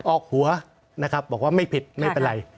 ออกหัวนะครับบอกว่าไม่ผิดไม่เป็นไร